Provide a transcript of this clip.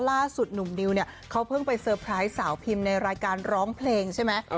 ล่าสุดหนุ่มดิวเนี่ยเขาเพิ่งไปเตอร์ไพรส์สาวพิมในรายการร้องเพลงใช่ไหม